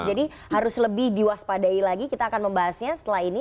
jadi harus lebih diwaspadai lagi kita akan membahasnya setelah ini